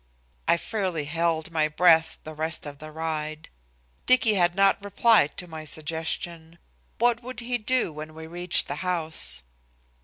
I fairly held my breath the rest of the ride. Dicky had not replied to my suggestion. What would he do when we reached the house?